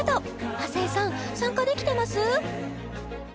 亜生さん参加できてます？